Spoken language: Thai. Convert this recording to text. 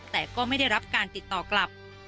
แต่ก็ไม่ได้รับการติดต่อกลับ